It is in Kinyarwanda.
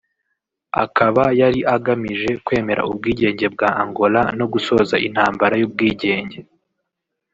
akaba yari agamije kwemera ubwigenge bwa Angola no gusoza intambara y’ubwigenge